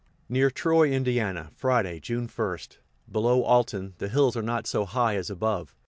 Near Troy, Ind., Friday, June 1st. Below Alton, the hills are not so high as above.